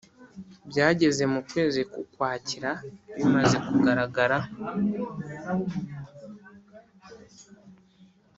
Byageze mu kwezi k’Ukwakira bimaze kugaragara